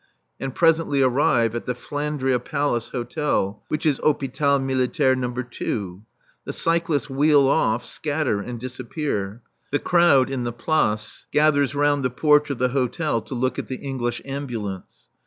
I. and presently arrive at the Flandria Palace Hotel, which is Hôpital Militaire No. II. The cyclists wheel off, scatter and disappear. The crowd in the Place gathers round the porch of the hotel to look at the English Ambulance.